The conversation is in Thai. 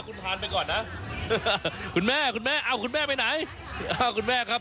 คุณทานไปก่อนนะคุณแม่คุณแม่เอาคุณแม่ไปไหนอ่าคุณแม่ครับ